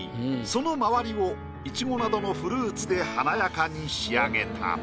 その周りをいちごなどのフルーツで華やかに仕上げた。